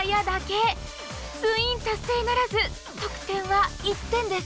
ツイン達成ならず得点は１点です。